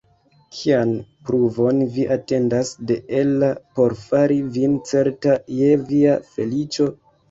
Kian pruvon vi atendas de Ella por fari vin certa je via feliĉo?